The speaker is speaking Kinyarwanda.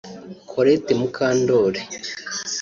Colette Mukandoli